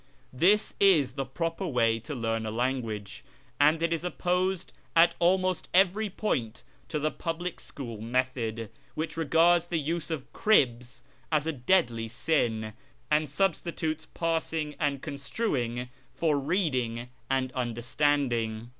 This is the proper way to learn a language, and it is opposed at almost every point to the public school method, which regards the use of " cribs " as a deadly sin, and substitutes parsing and construing for reading and understanding.